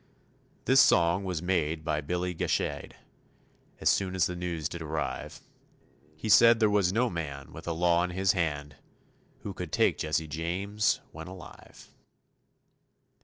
This song was made by Billy Gashade, As soon as the news did arrive; He said there was no man with the law in his hand Who could take Jesse James when alive.